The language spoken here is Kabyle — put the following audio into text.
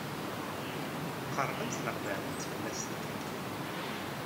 Qeṛbent neɣ beɛdent fell-asent?